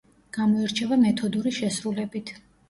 გამოირჩევა მეთოდური შესრულებით.